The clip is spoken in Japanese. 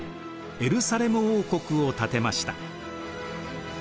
エルサレム王国を建てました。